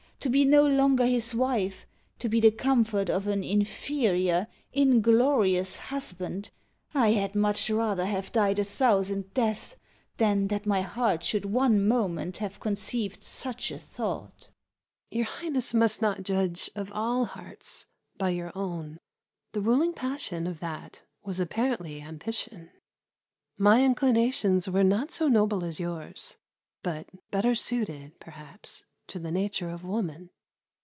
to be no longer his wife! to be the comfort of an inferior, inglorious husband! I had much rather have died a thousand deaths, than that my heart should one moment have conceived such a thought. Countess of Clanricarde. Your Highness must not judge of all hearts by your own. The ruling passion of that was apparently ambition. My inclinations were not so noble as yours, but better suited, perhaps, to the nature of woman.